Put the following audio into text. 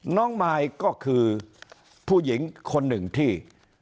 มายก็คือผู้หญิงคนหนึ่งที่